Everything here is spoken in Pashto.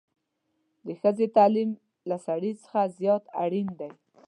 د ښځې تعليم له سړي څخه زيات اړين دی